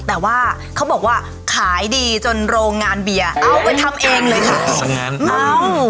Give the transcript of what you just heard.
แต่ว่าเขาบอกว่าขายดีจนโรงงานเบียร์เอาไปทำเองเลยค่ะ